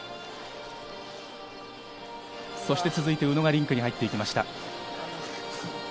そして続いて宇野がリンクに入っていきました。